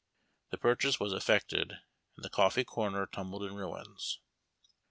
The ])urchase was effected, and the coffee " corner" tumbled in ruins.